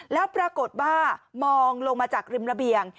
แล้วปรากฏว่ามองลงมาจากริมระเบียง